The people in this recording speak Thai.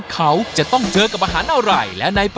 เพราะอะไร